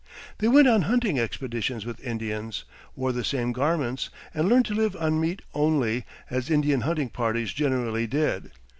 They went on hunting expeditions with Indians, wore the same garments, and learned to live on meat only, as Indian hunting parties generally did.